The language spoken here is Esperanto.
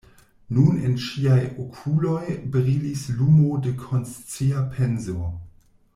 Nun en ŝiaj okuloj brilis lumo de konscia penso.